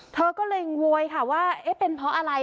เธอก็เลยโวยค่ะว่าเอ๊ะเป็นเพราะอะไร